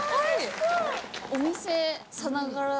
お店さながらの。